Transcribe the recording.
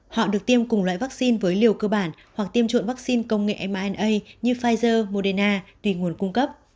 họ được tiêm cùng loại vaccine với liều cơ bản hoặc tiêm trộn vaccine công nghệ mna như pfizer moderna tùy nguồn cung cấp